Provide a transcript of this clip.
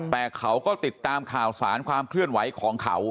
แต่เขาก็ติดตามข่าวสารความเคลื่อนไหวของเขา